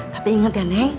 tapi inget ya neng